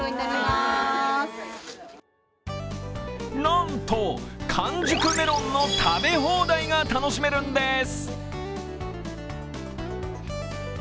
なんと、完熟メロンの食べ放題が楽しめるんです。